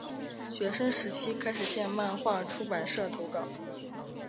学生时期开始向漫画出版社投稿。